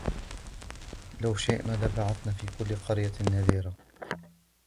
ولو شئنا لبعثنا في كل قرية نذيرا